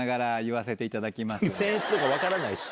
僭越とか分からないし。